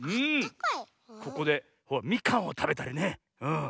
ここでみかんをたべたりね。